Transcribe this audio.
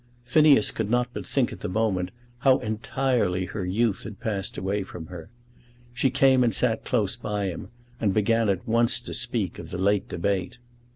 Phineas could not but think at the moment how entirely her youth had passed away from her. She came and sat close by him, and began at once to speak of the late debate.